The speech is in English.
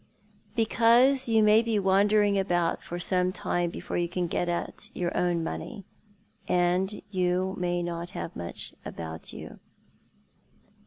'" Because you may be wandering about for some time before you can get at your own money. And you may not have much about you."